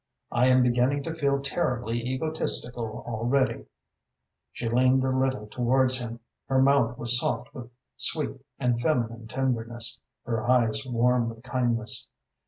I am beginning to feel terribly egotistical already." She leaned a little towards him. Her mouth was soft with sweet and feminine tenderness, her eyes warm with kindness.